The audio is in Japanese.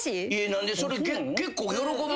何でそれ結構喜ぶ。